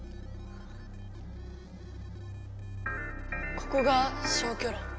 ここが消去炉。